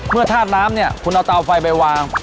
เมื่อทาดน้ำเนี่ยคุณเอาเตาไฟไปวาง